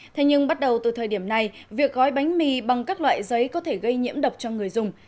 thế nhưng bắt đầu từ thời điểm này việc gói bánh mì bằng các loại giấy có thể gây nhiễm độc cho người dùng